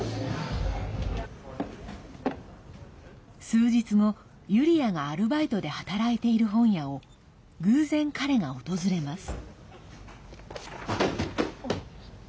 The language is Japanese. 数日後、ユリアがアルバイトで働いている本屋を偶然、彼が訪れます。